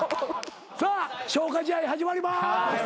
さあ消化試合始まります。